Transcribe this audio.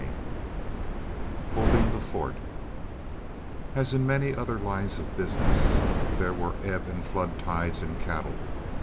CHAPTER XX HOLDING THE FORT As in many other lines of business, there were ebb and flood tides in cattle.